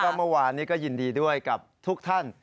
เมื่อวานนี้ก็ยินดีด้วยกับทุกท่าน